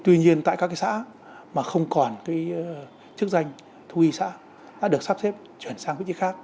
tuy nhiên tại các xã mà không còn cái chức danh thú y xã đã được sắp xếp chuyển sang